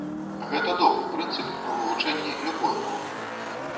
Гэта добры прынцып па вывучэнні любой мовы.